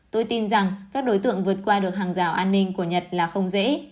tôi tin rằng các đối tượng vượt qua được hàng rào an ninh của nhật là không dễ